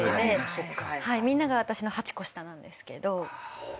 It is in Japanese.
みんなが私の８個下なんですけど。